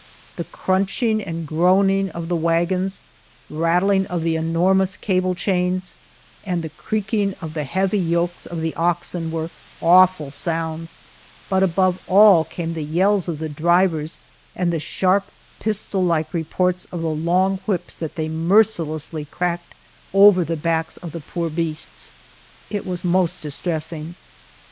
The crunching and groaning of the wagons, rattling of the enormous cable chains, and the creaking of the heavy yokes of the oxen were awful sounds, but above all came the yells of the drivers, and the sharp, pistol like reports of the long whips that they mercilessly cracked over the backs of the poor beasts. It was most distressing.